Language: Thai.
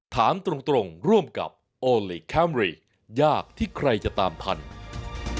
ถามตรงร่วมกับโอลี่คัมรี่ยากที่ใครจะตามพันธุ์